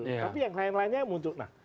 tapi yang lain lainnya muncul